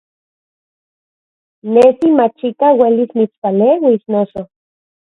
Nesi machikaj uelis mitspaleuis, noso.